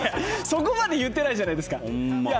そこまで言ってないじゃないですか。